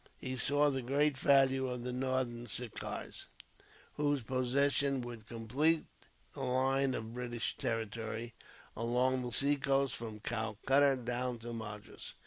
He saw the great value of the Northern Sirkars, whose possession would complete the line of British territory, along the seacoast, from Calcutta down to Madras.